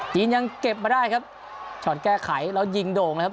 ยังเก็บมาได้ครับช็อตแก้ไขแล้วยิงโด่งนะครับ